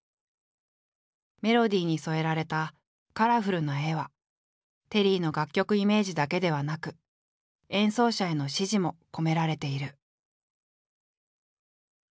メロディーに添えられたカラフルな絵はテリーの楽曲イメージだけではなく演奏者への指示も込められている。